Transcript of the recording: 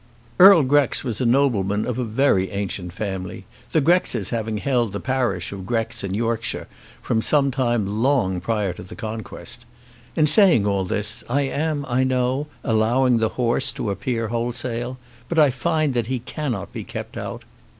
Earl Grex was a nobleman of very ancient family, the Grexes having held the parish of Grex, in Yorkshire, from some time long prior to the Conquest. In saying all this, I am, I know, allowing the horse to appear wholesale; but I find that he cannot be kept out.